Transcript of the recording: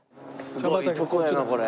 すごいとこやなこれ。